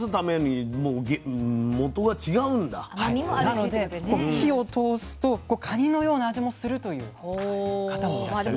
なので火を通すとカニのような味もするという方もいらっしゃるんです。